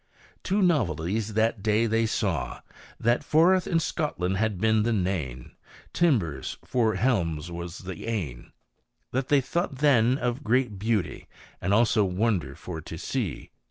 Two novelties that day they saw, That forouth in Scotland had been nene ; Timbers for belmes was the ane That they thought then of great beautie. And also wonder for to see.